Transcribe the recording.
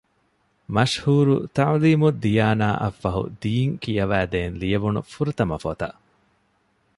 މަޝްހޫރު ތަޢުލީމުއްދިޔާނާ އަށްފަހު ދީން ކިޔަވައިދޭން ލިޔެވުނު ފުރަތަމަ ފޮތަށް